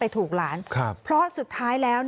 ไม่รู้จริงว่าเกิดอะไรขึ้น